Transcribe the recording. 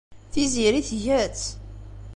Tiziri tga-tt.